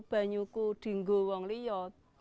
banyakku diinggol orang lihat